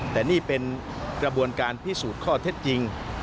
แต่นี่เป็นกระบวนการพิสูจน์ข้อเท็จจริง